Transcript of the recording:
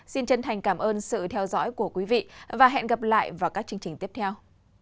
xin chân thành cảm ơn sự theo dõi của quý vị và hẹn gặp lại vào các chương trình tiếp theo